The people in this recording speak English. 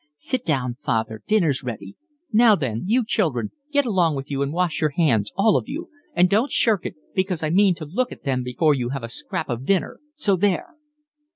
"Sit down, father, dinner's ready. Now then, you children, get along with you and wash your hands all of you, and don't shirk it, because I mean to look at them before you have a scrap of dinner, so there."